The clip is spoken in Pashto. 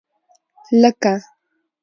لکه.